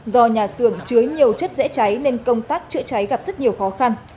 do nhà xưởng chứa nhiều chất dễ cháy nên công tác chữa cháy gặp rất nhiều khó khăn